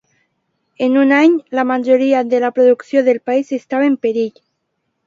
En un any, la majoria de la producció del país estava en perill.